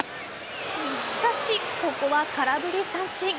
しかし、ここは空振り三振。